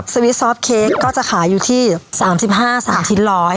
สวีทซอฟต์เค้กก็จะขายอยู่ที่๓๕สิบชิ้นร้อย